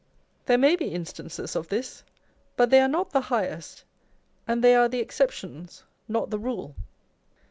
There may be instances of this ; but they are not the highest, and they are the exceptions, not the rule.